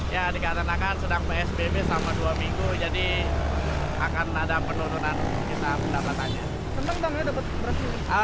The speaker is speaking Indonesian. ya dikarenakan sedang psbb selama dua minggu jadi akan ada penurunan kita pendapatannya